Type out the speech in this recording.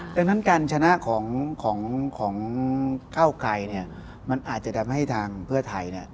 ดังนั้นการชนะของก้าวไกรมันอาจจะทำให้ทางเพื่อไทย